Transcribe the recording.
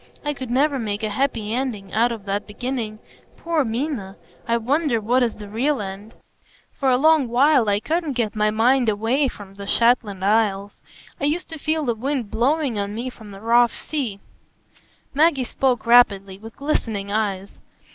I could never make a happy ending out of that beginning. Poor Minna! I wonder what is the real end. For a long while I couldn't get my mind away from the Shetland Isles,—I used to feel the wind blowing on me from the rough sea." Maggie spoke rapidly, with glistening eyes.